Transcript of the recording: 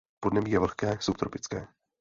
Podnebí je vlhké subtropické.